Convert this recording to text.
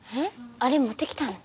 あれ持ってきたの？